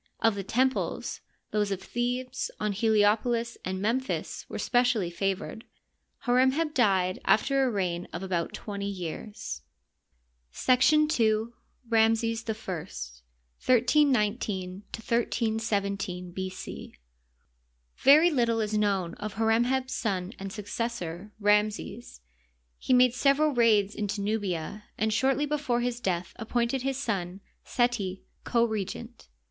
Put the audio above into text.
Of the temples, those of Thebes, On Heliopolis, and Memphis were specially favored. Hor em heb died aifter a reign of about twenty years. § 2. Ramses I (1J19 1317 B. C). Very little is known of Hor em heb 's son and succes sor, Ramses. He made several raids into Nubia, and shortly before his death appointed his son, Seti, co regent.